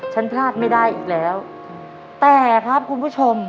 พลาดไม่ได้อีกแล้วแต่ครับคุณผู้ชม